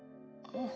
うん